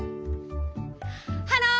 ハロー！